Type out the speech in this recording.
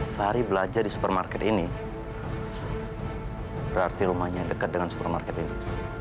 sari belajar di supermarket ini berarti rumahnya dekat dengan supermarket ini